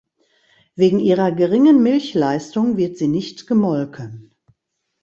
Wegen ihrer geringen Milchleistung wird sie nicht gemolken.